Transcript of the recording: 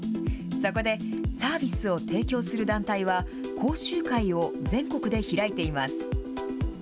そこでサービスを提供する団体は、講習会を全国で開いています。